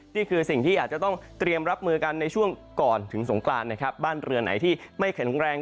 นี่คือสิ่งที่อาจจะต้องเตรียมรับมือกันในช่วงก่อนถึงสงกรานนะครับบ้านเรือไหนที่ไม่แข็งแรง